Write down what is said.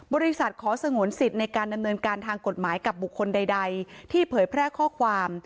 บริษัทขอสงวนสิทธิ์ในการดำเนินการทางกฎหมายกับบุคคลใดที่เผยแพร่ข้อความ